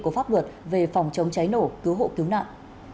của pháp luật về phòng chống cháy nổ cứu hộ cứu nạn